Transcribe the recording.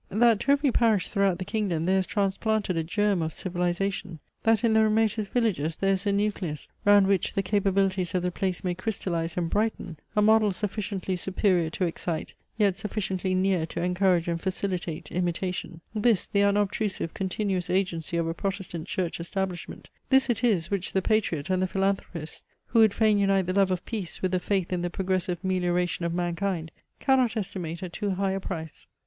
That to every parish throughout the kingdom there is transplanted a germ of civilization; that in the remotest villages there is a nucleus, round which the capabilities of the place may crystallize and brighten; a model sufficiently superior to excite, yet sufficiently near to encourage and facilitate, imitation; this, the unobtrusive, continuous agency of a protestant church establishment, this it is, which the patriot, and the philanthropist, who would fain unite the love of peace with the faith in the progressive melioration of mankind, cannot estimate at too high a price.